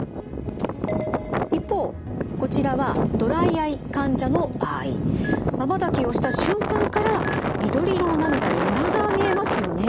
一方こちらはまばたきをした瞬間から緑色の涙にムラが見えますよね。